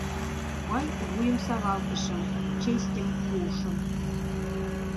Мый вуйым савалтышым, честьым пуышым.